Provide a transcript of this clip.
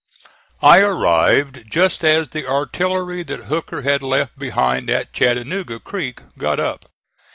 I arrived just as the artillery that Hooker had left behind at Chattanooga Creek got up.